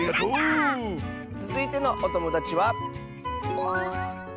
つづいてのおともだちは。